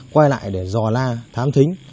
quay lại để dò la thám thính